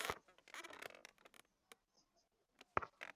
তিনি কর্ণফুলী নদীর ওপারে চট্টগ্রাম শহরের ইপিজেডের একটি কারখানায় চাকরি করেন।